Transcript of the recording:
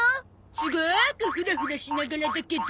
すごくフラフラしながらだけど。